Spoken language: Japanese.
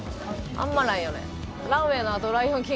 あんまないよね。